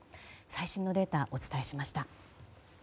最新のデータをお伝えしました。